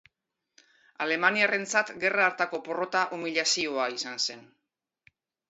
Alemaniarrentzat gerra hartako porrota umilazioa izan zen.